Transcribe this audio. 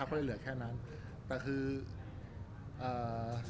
รูปนั้นผมก็เป็นคนถ่ายเองเคลียร์กับเรา